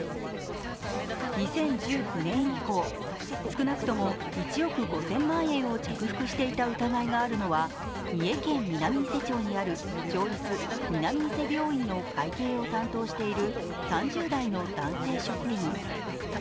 ２０１９年以降、少なくとも１億５０００万円を着服していた疑いがあるのは、三重県南伊勢町にある町立南伊勢病院の会計を担当している３０代の男性職員。